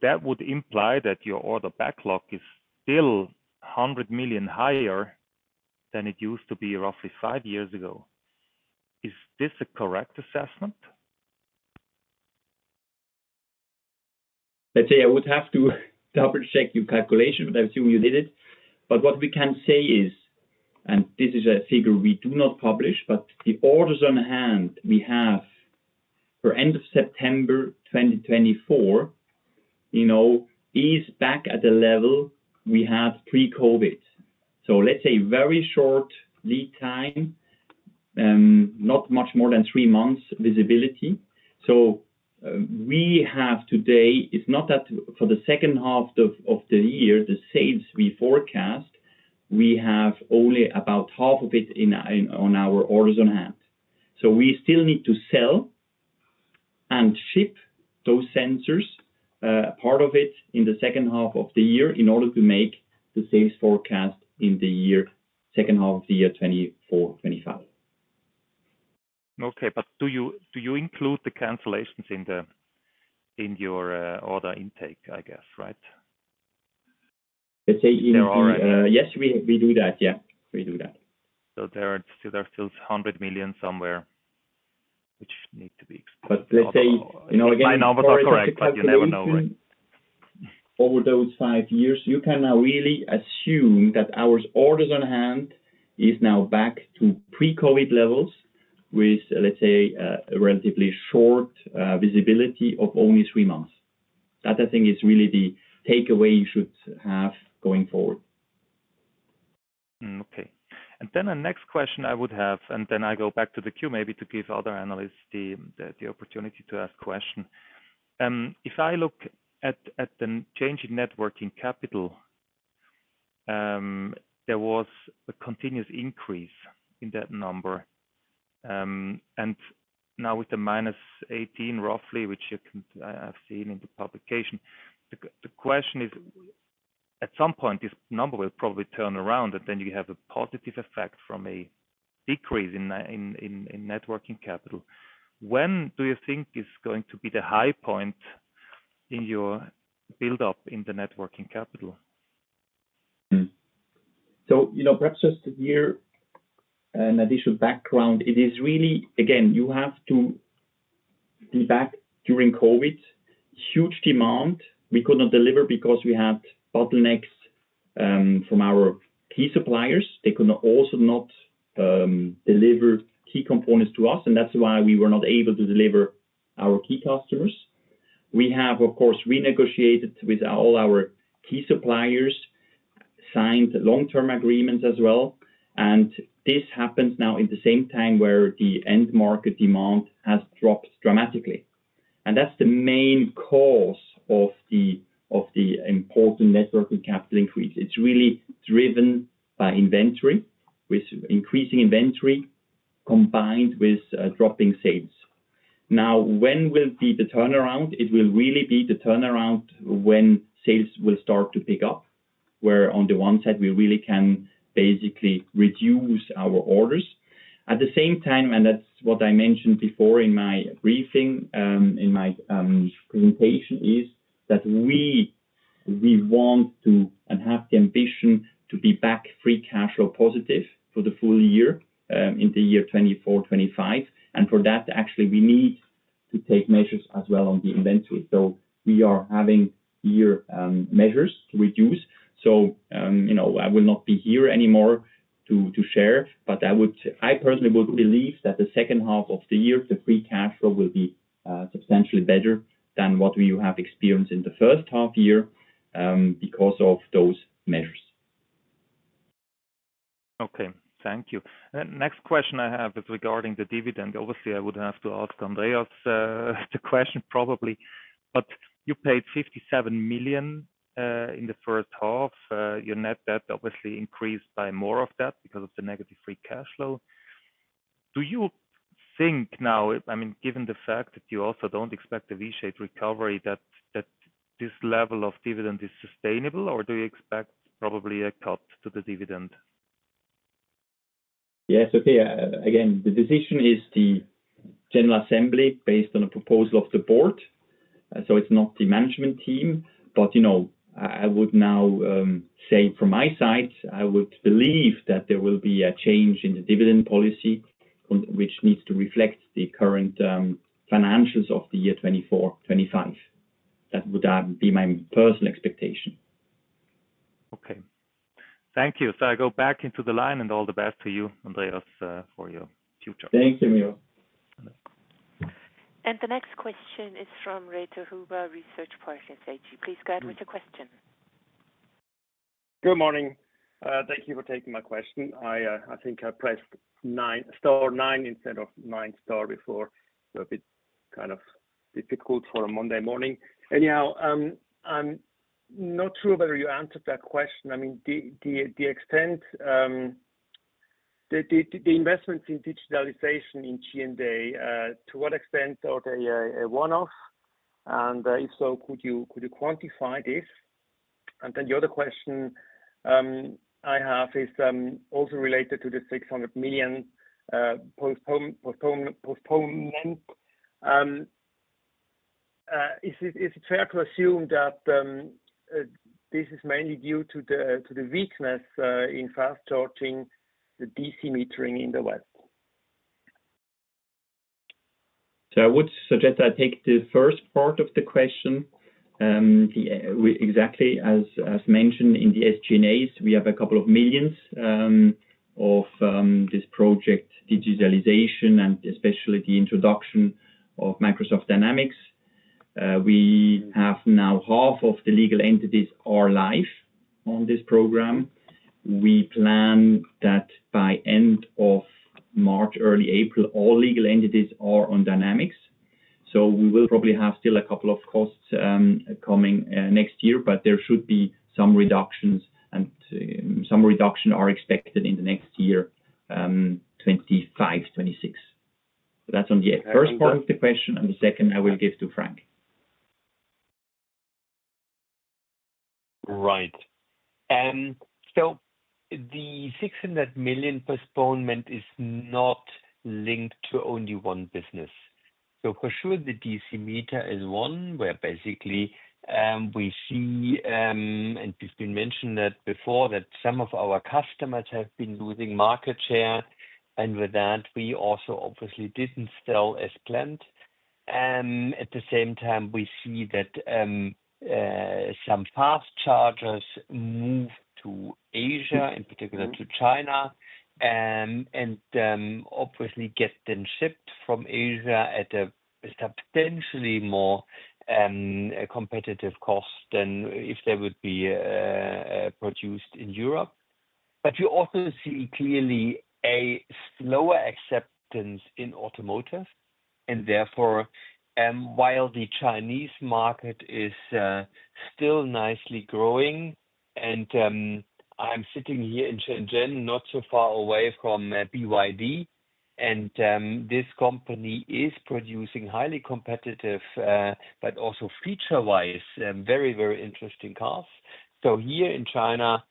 That would imply that your order backlog is still 100 million higher than it used to be roughly five years ago. Is this a correct assessment? Let's say I would have to double-check your calculation, but I assume you did it. What we can say is, and this is a figure we do not publish, but the orders on hand we have for end of September 2024 is back at the level we had pre-COVID. Let's say very short lead time, not much more than three months visibility. We have today. It's not that for the second half of the year, the sales we forecast, we have only about half of it on our orders on hand. We still need to sell and ship those sensors, part of it in the second half of the year in order to make the sales forecast in the second half of the year 2024, 2025. Okay. Do you include the cancellations in your order intake, I guess, right? Let's say in your order intake. Yes, we do that. We do that. There are still 100 million somewhere which need to be. Let's say, again, you never know. All those five years, you can now really assume that our orders on hand is now back to pre-COVID levels with, let's say, a relatively short visibility of only three months. That I think is really the takeaway you should have going forward. Okay. A next question I would have, and then I go back to the queue maybe to give other analysts the opportunity to ask a question. If I look at the changing net working capital, there was a continuous increase in that number. Now with the minus 18 roughly, which I've seen in the publication, the question is, at some point, this number will probably turn around and then you have a positive effect from a decrease in net working capital. When do you think is going to be the high point in your buildup in the net working capital? Perhaps just a year and additional background. It is really, again, you have to go back during COVID. Huge demand. We could not deliver because we had bottlenecks from our key suppliers. They could also not deliver key components to us, and that's why we were not able to deliver our key customers. We have, of course, renegotiated with all our key suppliers, signed long-term agreements as well, and this happens now at the same time where the end market demand has dropped dramatically, and that's the main cause of the important working capital increase. It's really driven by inventory, with increasing inventory combined with dropping sales. Now, when will be the turnaround? It will really be the turnaround when sales will start to pick up, where on the one side, we really can basically reduce our orders. At the same time, and that's what I mentioned before in my briefing, in my presentation, is that we want to and have the ambition to be back free cash flow positive for the full year in the year 2024, 2025. For that, actually, we need to take measures as well on the inventory. We are having year measures to reduce. I will not be here anymore to share, I personally would believe that the second half of the year, the free cash flow will be substantially better than what we have experienced in the first half year because of those measures. Okay. Thank you. Next question I have is regarding the dividend. Obviously, I would have to ask Andrea the question probably. You paid 57 million in the first half. Your net debt obviously increased by more of that because of the negative free cash flow. Do you think now, given the fact that you also don't expect a V-shaped recovery, that this level of dividend is sustainable, or do you expect probably a cut to the dividend? Yes. Okay. Again, the decision is the General Assembly based on a proposal of the board. So it's not the management team. I would now say from my side, I would believe that there will be a change in the dividend policy, which needs to reflect the current financials of the year 2024, 2025. That would be my personal expectation. Okay. Thank you. I go back into the line, and all the best to you, Andrea, for your future. Thank you, Miros. The next question is from Reto Huber, Research Partners. Please go ahead with your question. Good morning. Thank you for taking my question. I think I pressed nine star nine instead of nine star before. It's a bit kind of difficult for a Monday morning. Anyhow, I'm not sure whether you answered that question. I mean, the investments in digitalization in Q1 to date, to what extent are they a one-off? And if so, could you quantify this? The other question I have is also related to the 600 million postponement. Is it fair to assume that this is mainly due to the weakness in fast charging, the DC metering in the West? I would suggest I take the first part of the question. Exactly as mentioned in the SG&As, we have a couple of millions for this project digitalization and especially the introduction of Microsoft Dynamics. We have now half of the legal entities are live on this program. We plan that by end of March, early April, all legal entities are on Dynamics. We will probably have still a couple of costs coming next year, but there should be some reductions, and some reductions are expected in the next year, 2025, 2026. That's on the first part of the question, and the second I will give to Frank. Right. The 600 million postponement is not linked to only one business. For sure, the DC meter is one where basically we see, and it's been mentioned that before, that some of our customers have been losing market share. With that, we also obviously didn't sell as planned. At the same time, we see that some fast chargers move to Asia, in particular to China, and obviously get them shipped from Asia at a substantially more competitive cost than if they would be produced in Europe. But you also see clearly a slower acceptance in automotive. Therefore, while the Chinese market is still nicely growing, and I'm sitting here in Shenzhen, not so far away from BYD, and this company is producing highly competitive, but also feature-wise, very, very interesting cars. So here in China,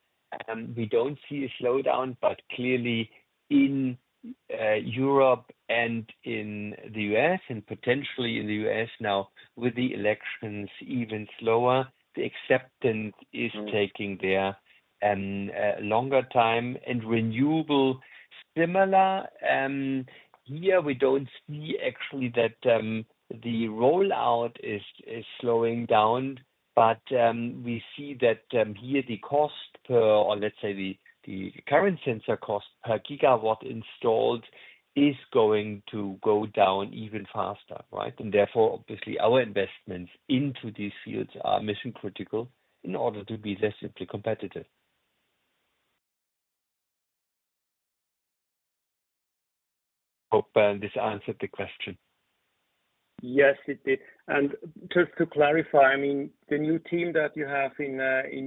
we don't see a slowdown, but clearly in Europe and in the U.S., and potentially in the U.S. now with the elections even slower, the acceptance is taking a longer time and renewable similar. Here, we don't see actually that the rollout is slowing down, but we see that here the cost per, or let's say the current sensor cost per gigawatt installed is going to go down even faster, right? Therefore, obviously, our investments into these fields are mission-critical in order to be less simply competitive. I hope this answered the question. Yes, it did. Just to clarify, I mean, the new team that you have in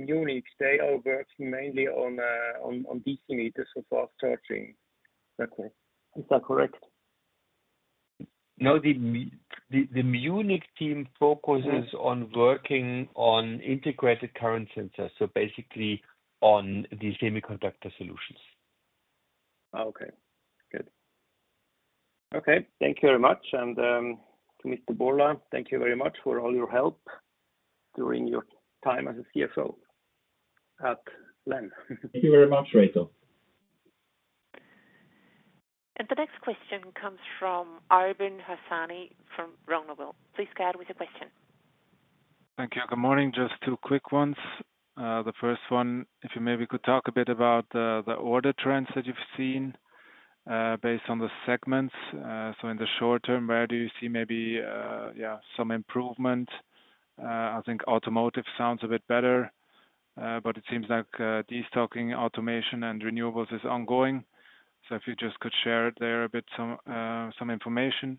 Munich, they are working mainly on DC meters for fast charging. Is that correct? No, the Munich team focuses on working on integrated current sensors, so basically on the semiconductor solutions. Okay. Good. Okay. Thank you very much. And to Mr. Borla, thank you very much for all your help during your time as a CFO at LEM. Thank you very much, Reto. The next question comes from Arben Hassani from Baader Helvea. Please go ahead with your question. Thank you. Good morning. Just two quick ones. The first one, if you maybe could talk a bit about the order trends that you've seen based on the segments. In the short term, where do you see maybe some improvement? I think automotive sounds a bit better, but it seems like destocking, automation, and renewables is ongoing. If you just could share there a bit some information.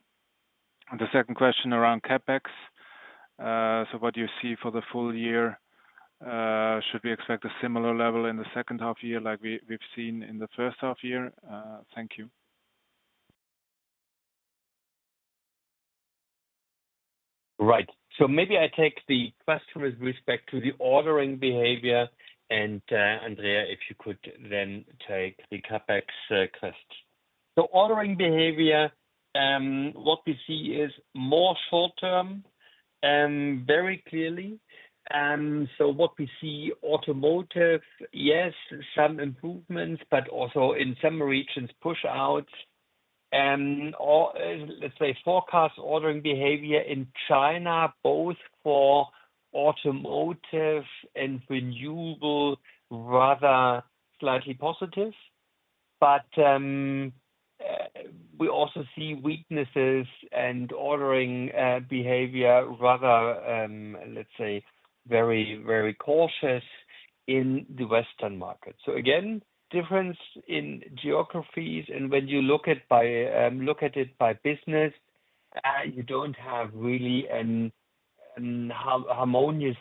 The second question around CapEx. What do you see for the full year? Should we expect a similar level in the H2 year like we've seen in the H1 year? Thank you. Right. I take the question with respect to the ordering behavior. And Andrea, if you could then take the CapEx question. Ordering behavior, what we see is more short-term, very clearly. What we see automotive, yes, some improvements, but also in some regions, push-outs. Let's say forecast ordering behavior in China, both for automotive and renewable, rather slightly positive. We also see weaknesses and ordering behavior, rather, let's say, very, very cautious in the Western market. Again, difference in geographies. When you look at it by business, you don't have really a harmonious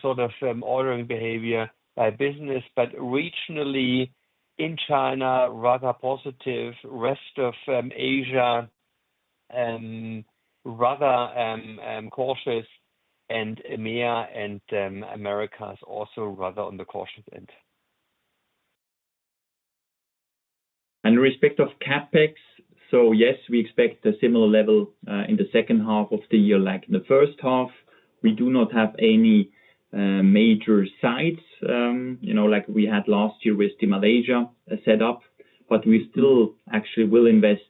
sort of ordering behavior by business. Regionally in China, rather positive. Rest of Asia, rather cautious. EMEA and Americas also rather on the cautious end. In respect of CapEx, so yes, we expect a similar level in the second half of the year like in the first half. We do not have any major sites like we had last year with the Malaysia setup, but we still actually will invest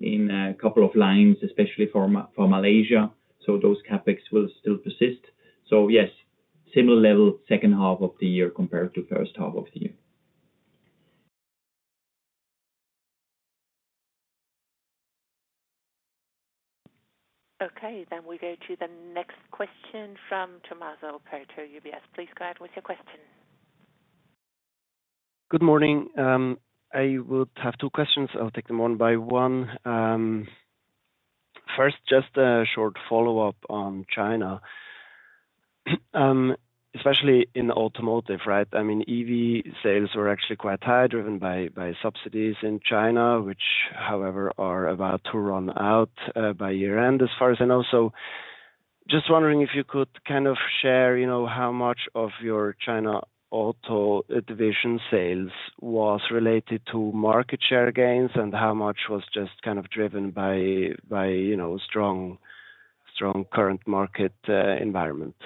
in a couple of lines, especially for Malaysia. Those CapEx will still persist. Yes, similar level second half of the year compared to first half of the year. Okay. Then we go to the next question from Tommaso Operto, UBS. Please go ahead with your question. Good morning. I would have two questions. I'll take them one by one. First, just a short follow-up on China, especially in automotive, right? I mean, EV sales were actually quite high, driven by subsidies in China, which, however, are about to run out by year-end, as far as I know. Just wondering if you could kind of share how much of your China auto division sales was related to market share gains and how much was just kind of driven by strong current market environment.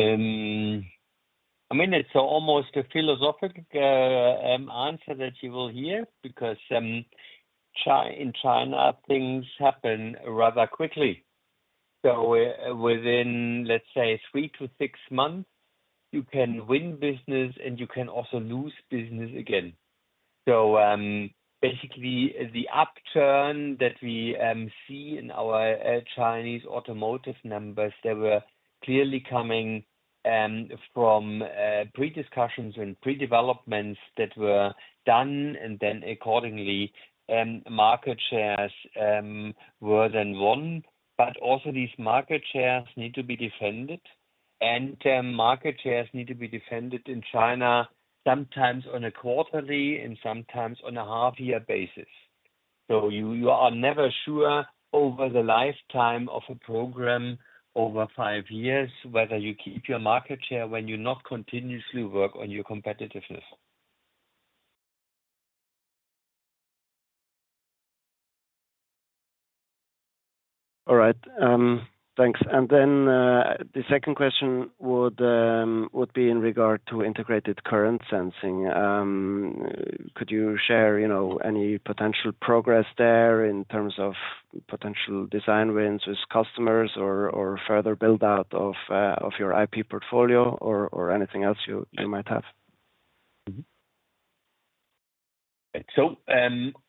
It's almost a philosophical answer that you will hear because in China, things happen rather quickly. Within, let's say, three to six months, you can win business, and you can also lose business again. Basically, the upturn that we see in our Chinese automotive numbers, they were clearly coming from pre-discussions and pre-developments that were done. Accordingly, market shares were then won. Also these market shares need to be defended. Market shares need to be defended in China sometimes on a quarterly and sometimes on a half-year basis. You are never sure over the lifetime of a program over five years whether you keep your market share when you not continuously work on your competitiveness. All right. Thanks. The second question would be in regard to integrated current sensing. Could you share any potential progress there in terms of potential design wins with customers or further build-out of your IP portfolio or anything else you might have?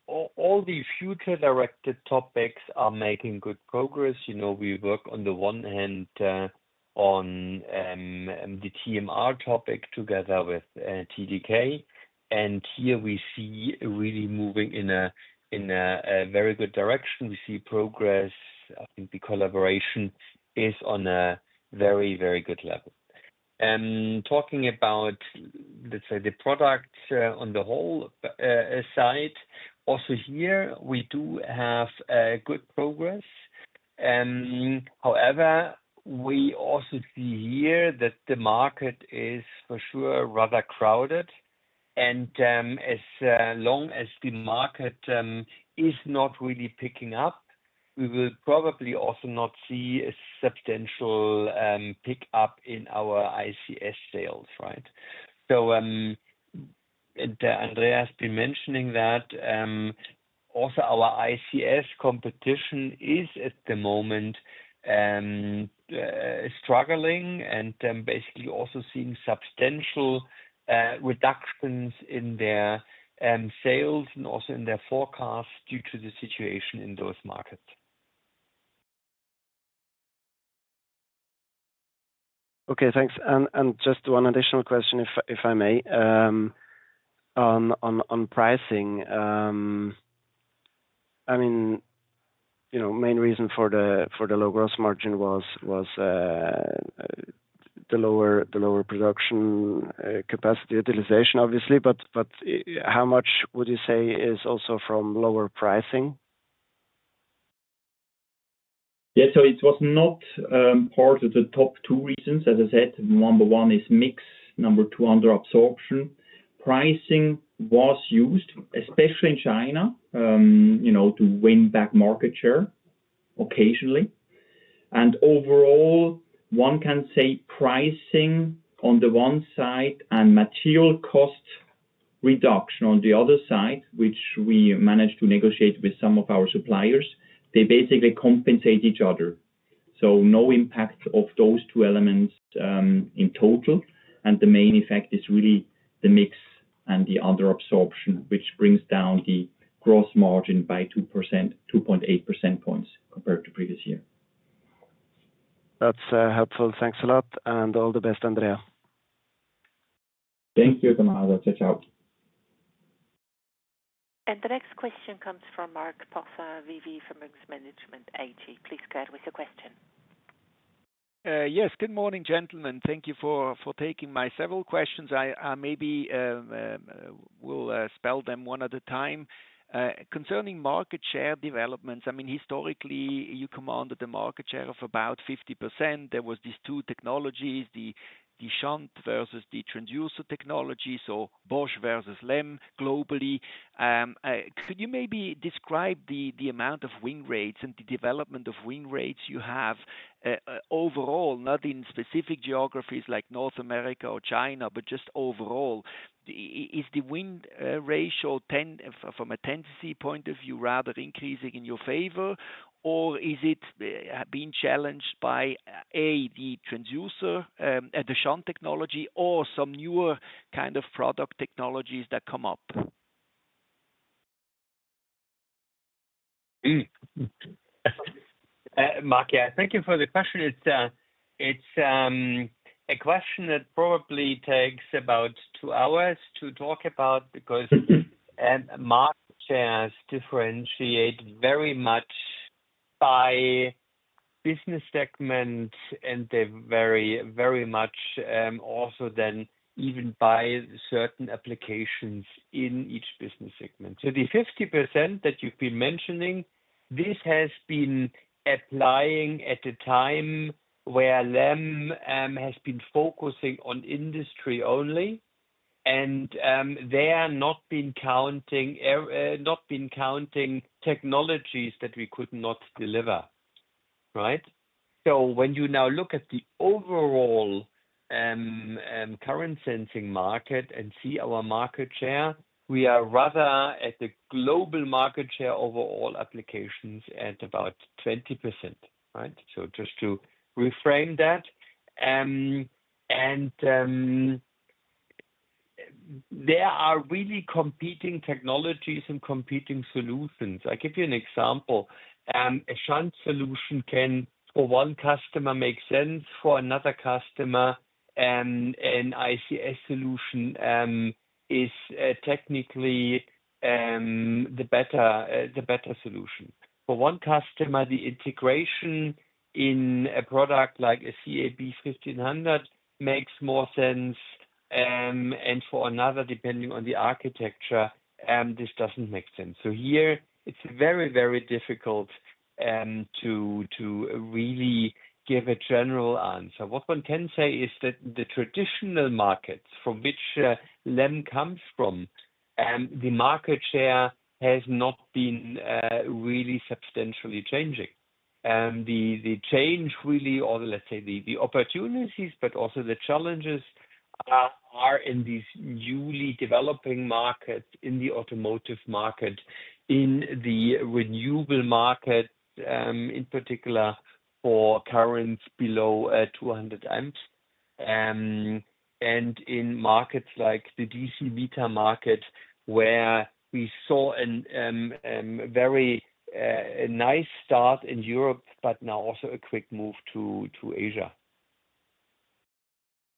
All the future directed topics are making good progress. We work on the one hand on the TMR topic together with TDK. Here we see really moving in a very good direction. We see progress. I think the collaboration is on a very, very good level. Talking about, let's say, the product on the whole side, also here we do have good progress. However, we also see here that the market is for sure rather crowded. As long as the market is not really picking up, we will probably also not see a substantial pickup in our ICS sales, right? Andreas has been mentioning that. Also our ICS competition is at the moment struggling and basically also seeing substantial reductions in their sales and also in their forecast due to the situation in those markets. Okay. Thanks. Just one additional question, if I may, on pricing. Main reason for the low gross margin was the lower production capacity utilization, obviously. How much would you say is also from lower pricing? It was not part of the top two reasons, as I said. Number one is mix, number two under absorption. Pricing was used, especially in China, to win back market share occasionally. Overall, one can say pricing on the one side and material cost reduction on the other side, which we managed to negotiate with some of our suppliers. They basically compensate each other. No impact of those two elements in total. The main effect is really the mix and the under absorption, which brings down the gross margin by 2.8 percentage points compared to previous year. That's helpful. Thanks a lot. All the best, Andrea. Thank you, Tommaso. The next question comes from Marc Possa of Bank Vontobel AG. Please go ahead with your question. Yes. Good morning, gentlemen. Thank you for taking my several questions. I maybe will spell them one at a time. Concerning market share developments, I mean, historically, you commanded the market share of about 50%. There were these two technologies, the shunt versus the transducer technology, so Bosch versus LEM globally. Could you maybe describe the amount of win rates and the development of win rates you have overall, not in specific geographies like North America or China, but just overall? Is the win ratio from a tendency point of view rather increasing in your favor, or is it being challenged by the transducer, the shunt technology, or some newer kind of product technologies that come up? Marc, yeah, thank you for the question. It's a question that probably takes about two hours to talk about because market shares differentiate very much by business segment, and they're very, very much also then even by certain applications in each business segment. The 50% that you've been mentioning, this has been applying at a time where LEM has been focusing on industry only, and they are not been counting technologies that we could not deliver, right? When you now look at the overall current sensing market and see our market share, we are rather at the global market share overall applications at about 20%, right? Just to reframe that. There are really competing technologies and competing solutions. I'll give you an example. A shunt solution can, for one customer, make sense. For another customer, an ICS solution is technically the better solution. For one customer, the integration in a product like a CAB 1500 makes more sense, and for another, depending on the architecture, this doesn't make sense. Here, it's very, very difficult to really give a general answer. What one can say is that in the traditional markets from which LEM comes from, the market share has not been really substantially changing. The change really, or let's say the opportunities, but also the challenges are in these newly developing markets, in the automotive market, in the renewable market, in particular for currents below 200 amps, and in markets like the DC meter market, where we saw a very nice start in Europe, but now also a quick move to Asia.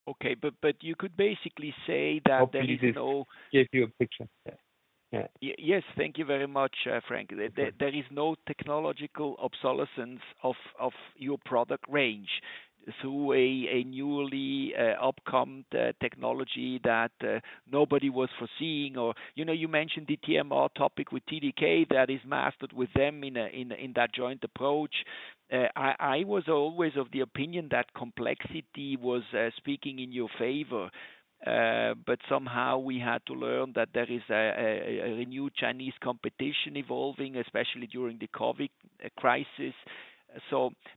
Okay, but you could basically say that there is no. Hopefully, this gives you a picture. Yes. Thank you very much, Frank. There is no technological obsolescence of your product range through a newly upcoming technology that nobody was foreseeing. You mentioned the TMR topic with TDK that is mastered with them in that joint approach. I was always of the opinion that complexity was speaking in your favor, but somehow we had to learn that there is a renewed Chinese competition evolving, especially during the COVID crisis.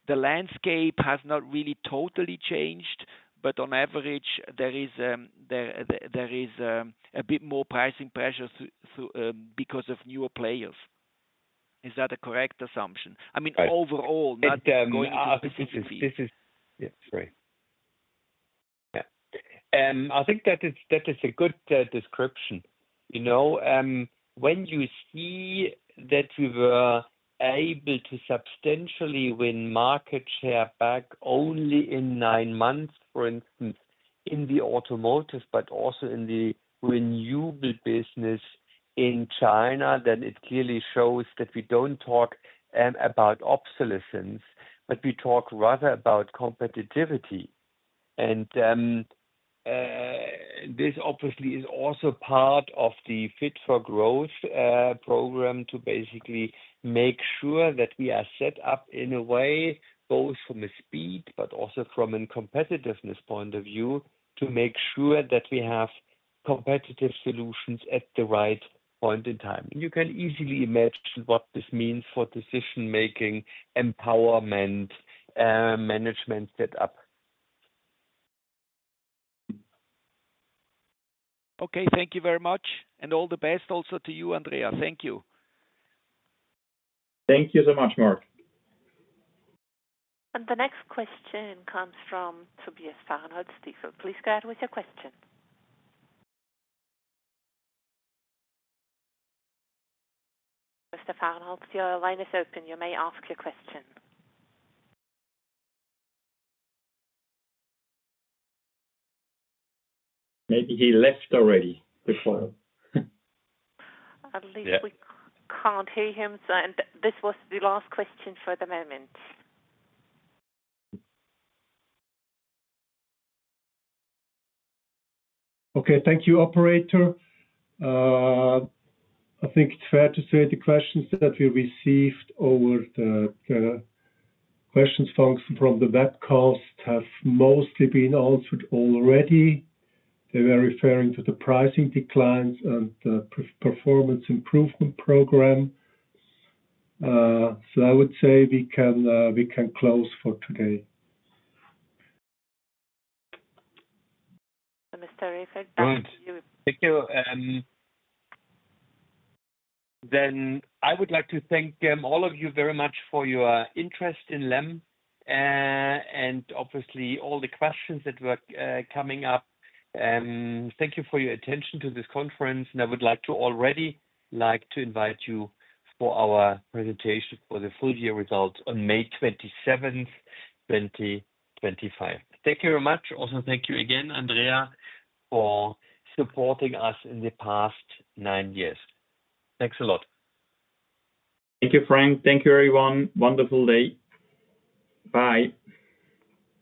The landscape has not really totally changed, but on average, there is a bit more pricing pressure because of newer players. Is that a correct assumption? I mean, overall. Sorry. I think that is a good description. When you see that we were able to substantially win market share back only in nine months, for instance, in the automotive, but also in the renewable business in China, then it clearly shows that we don't talk about obsolescence, but we talk rather about competitiveness. This obviously is also part of the Fit for Growth program to basically make sure that we are set up in a way, both from a speed but also from a competitiveness point of view, to make sure that we have competitive solutions at the right point in time. You can easily imagine what this means for decision-making, empowerment, management setup. Okay. Thank you very much. All the best also to you, Andrea. Thank you. Thank you so much, Marc. The next question comes from Tobias Fahrenholz, Stifel. Please go ahead with your question. Mr. Fahrenholz, your line is open. You may ask your question. Maybe he left already, the call. At least we can't hear him. This was the last question for the moment. Okay. Thank you, Operator. I think it's fair to say the questions that we received over the questions function from the webcast have mostly been answered already. They were referring to the pricing declines and the performance improvement program. I would say we can close for today. Mr. Rehfeld, back to you. Thank you. Then I would like to thank all of you very much for your interest in LEM and obviously all the questions that were coming up. Thank you for your attention to this conference. I would like to already invite you for our presentation for the full year results on 27 May 2025. Thank you very much. Also, thank you again, Andrea, for supporting us in the past nine years. Thanks a lot. Thank you, Frank. Thank you, everyone. Wonderful day. Bye.